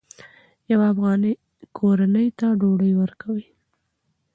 یوه افغاني کورنۍ ته ډوډۍ ورکوئ.